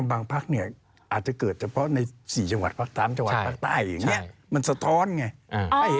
บางภาคเนี่ยอาจจะเกิดเฉพาะสี่จังหวัดภาคทางขวัดธุ์ทางใต้มันเนี่ยสะท้อนไง